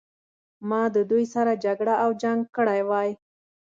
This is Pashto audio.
ما د دوی سره جګړه او جنګ کړی وای.